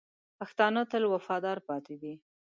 پښتانه تل وفادار پاتې دي.